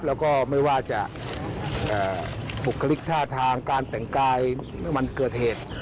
แล้วก็ไม่ว่าจะผลขลักทางงานแต่งกายนึ์มรึเปล่าเกิดเหตุ